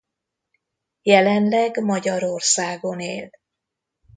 Jelenleg Magyarországon él.